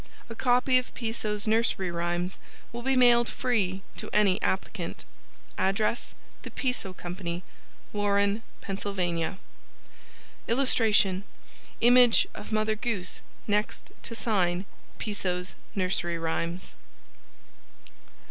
A copy of Piso's Nursery Rhymes will be mailed free to any applicant. Address. THE PISO COMPANY. Warren. Pa. [Illustration: Image of Mother Goose next to sign, "Piso's Nursery Rhymes".